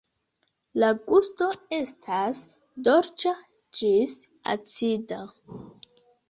La gusto estas dolĉa ĝis acida.